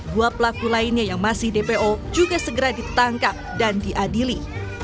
dua pelaku lainnya yang masih dpo juga segera ditangkap dan diadili